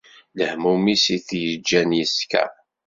D lehmum-is i t-yeǧǧan yeskeṛ.